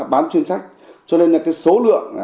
bán chuyên sách cho nên là cái số lượng